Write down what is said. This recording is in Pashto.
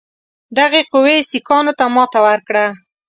دغې قوې سیکهانو ته ماته ورکړه.